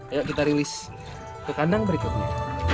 yuk kita rilis ke kandang berikutnya